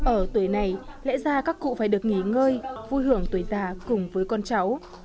ở tuổi này lẽ ra các cụ phải được nghỉ ngơi vui hưởng tuổi già cùng với con cháu